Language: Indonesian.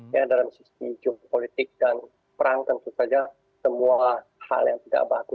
ya dalam sisi jumlah politik dan perang tentu saja semua hal yang tidak bagus